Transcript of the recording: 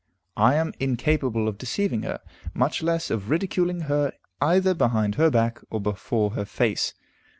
I am incapable of deceiving her, much less of ridiculing her either behind her back or before her face.